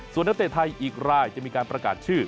ส่วนนักเตะไทยอีกรายจะมีการประกาศชื่อ